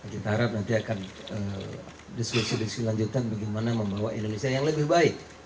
kita harap nanti akan diskusi diskusi lanjutan bagaimana membawa indonesia yang lebih baik